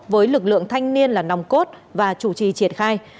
với lực lượng thanh niên là nòng cốt và chủ trì triển khai